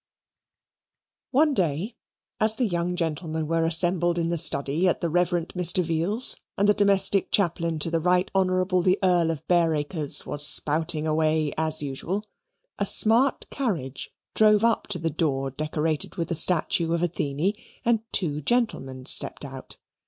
One day as the young gentlemen were assembled in the study at the Rev. Mr. Veal's, and the domestic chaplain to the Right Honourable the Earl of Bareacres was spouting away as usual, a smart carriage drove up to the door decorated with the statue of Athene, and two gentlemen stepped out.